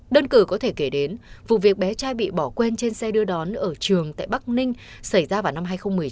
đơn cử có thể kể đến vụ việc bé trai bị bỏ quên trên xe đưa đón ở trường tại bắc ninh xảy ra vào năm hai nghìn một mươi chín